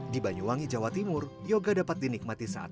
di banyuwangi jawa timur yoga dapat dinikmati saat ini